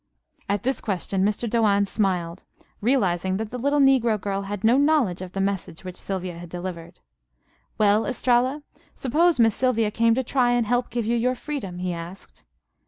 At this question Mr. Doane smiled, realizing that the little negro girl had no knowledge of the message which Sylvia had delivered. "Well, Estralla, suppose Miss Sylvia came to try and help give you your freedom?" he asked.